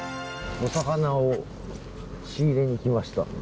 お魚を仕入れに来ました。